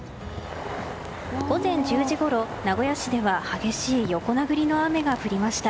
午前１０時ごろ、名古屋市では激しい横殴りの雨が降りました。